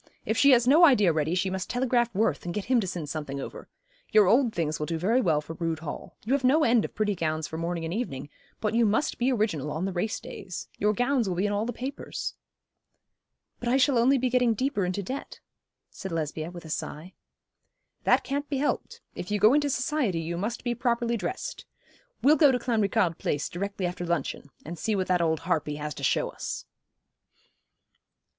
If she has no idea ready she must telegraph Worth and get him to send something over. Your old things will do very well for Rood Hall. You have no end of pretty gowns for morning and evening; but you must be original on the race days. Your gowns will be in all the papers.' 'But I shall be only getting deeper into debt,' said Lesbia, with a sigh. 'That can't be helped. If you go into society you must be properly dressed. We'll go to Clanricarde Place directly after luncheon, and see what that old harpy has to show us.'